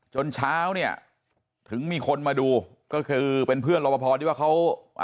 เช้าเนี่ยถึงมีคนมาดูก็คือเป็นเพื่อนรอปภที่ว่าเขา